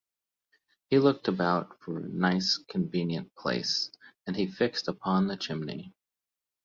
He looked about for a nice convenient place, and he fixed upon the chimney.